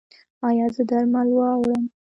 ایا زه درمل راوړم؟